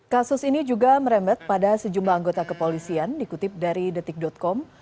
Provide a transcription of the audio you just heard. kasus ini juga merembet pada sejumlah anggota kepolisian dikutip dari detik com